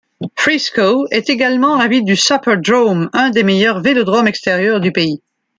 Frisco est également la ville du Superdrome, un des meilleurs vélodromes extérieurs du pays.